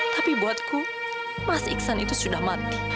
tapi buatku mas iksan itu sudah mati